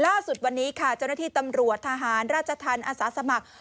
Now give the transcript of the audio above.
ล่าสุดวันนี้ค่ะเจ้าหน้าที่ตำรวจทหารราชธรรมอาสาสมัคร